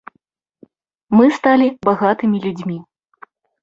Мы сталі багатымі людзьмі.